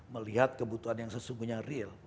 melihat kebutuhan yang sesungguhnya real